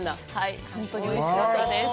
本当においしかったです。